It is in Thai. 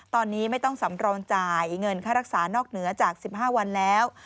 ตอนนี้ไม่ต้องสำรองจ่ายเงินค่ารักษานอกเหนือจาก๑๕วันแล้ว